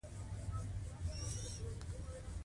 د امازون د سیند کیڼې غاړي لوی مرستیال دی.